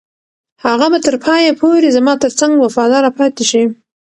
هغه به تر پایه پورې زما تر څنګ وفاداره پاتې شي.